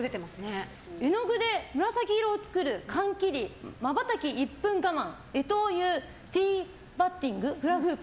絵の具で紫色を作る、缶切りまばたき１分我慢干支を言うティーバッティングフラフープ。